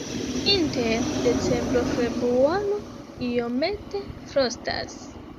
Inter decembro-februaro iomete frostas.